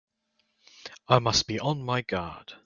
I must be on my guard!